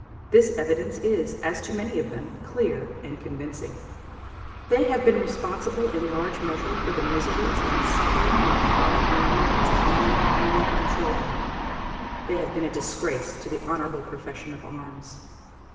This evidence is, as to many of them, clear and convincing. They have been responsible in large measure for the miseries and suffering that have fallen on millions of men, women, and children. They have been a disgrace to the honorable profession of arms.